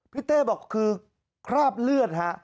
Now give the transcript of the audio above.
เต้บอกคือคราบเลือดฮะ